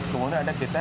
kemudian ada kita